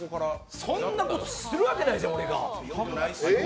そんなことするわけないじゃん、俺が。